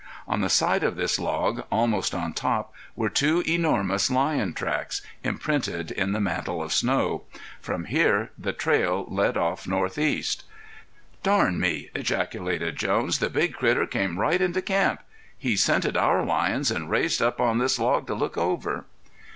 On the side of this log, almost on top, were two enormous lion tracks, imprinted in the mantle of snow. From here the trail led off northeast. "Darn me!" ejaculated Jones. "The big critter came right into camp; he scented our lions, and raised up on this log to look over."